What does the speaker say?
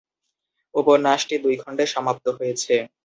উপন্যাসটি দুই খণ্ডে সমাপ্ত হয়েছে।